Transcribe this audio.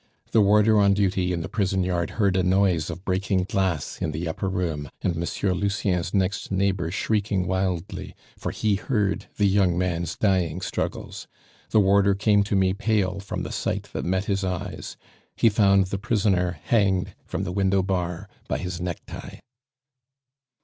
The warder on duty in the prison yard heard a noise of breaking glass in the upper room, and Monsieur Lucien's next neighbor shrieking wildly, for he heard the young man's dying struggles. The warder came to me pale from the sight that met his eyes. He found the prisoner hanged from the window bar by his necktie."